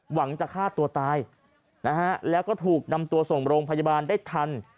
หวังจะฆ่าตัวตายนะฮะแล้วก็ถูกนำตัวส่งโรงพยาบาลได้ทัน